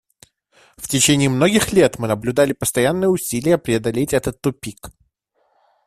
В течение многих лет мы наблюдали постоянные усилия преодолеть этот тупик.